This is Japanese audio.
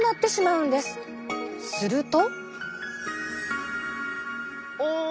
すると。